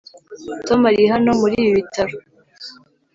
Tom ari hano muri ibi bitaro